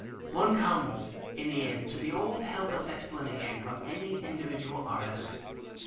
One comes in the end to the old helpless explanation of any individual artist.